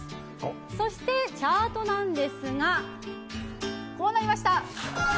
そしてチャートですがこうなりました。